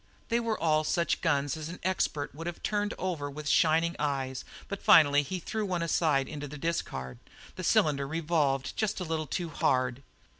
They were all such guns as an expert would have turned over with shining eyes, but finally he threw one aside into the discard; the cylinder revolved just a little too hard.